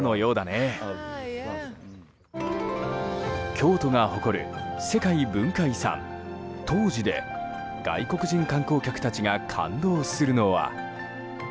京都が誇る世界文化遺産東寺で外国人観光客たちが感動するのは。